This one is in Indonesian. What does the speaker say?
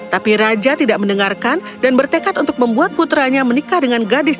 tapi raja tidak mendengarkan dan bertekad untuk membuat putranya menikahi